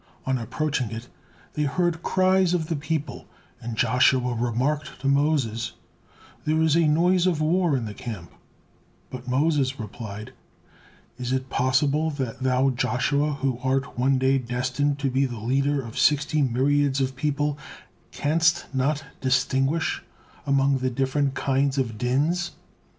On approaching it, they heard cries of the people, and Joshua remarked to Moses: "There is a noise of war in the camp," but Moses replied: "Is it possible that thou, Joshua, who art one day destined to be the leader of sixty myriads of people, canst not distinguish among the different kinds of dins?